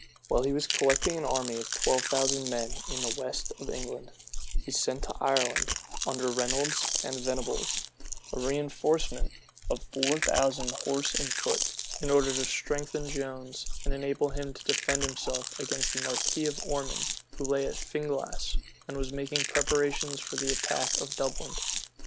While he was collecting an army of twelve thousand men in the west of England, he sent to Ireland, under Reynolds and Venables, a reënforcement of four thousand horse and foot, in order to strengthen Jones, and enable him to defend himself against the marquis of Ormond, who lay at Finglass, and was making preparations for the attack of Dublin.